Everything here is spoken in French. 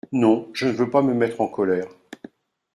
Non, je ne veux pas me mettre en colère.